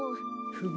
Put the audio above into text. フム。